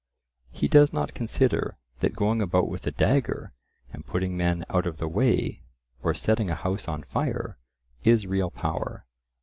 He does not consider that going about with a dagger and putting men out of the way, or setting a house on fire, is real power.